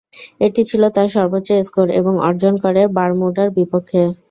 এটি ছিল তার সর্বোচ্চ স্কোর এবং অর্জন করে বারমুডার বিপক্ষে।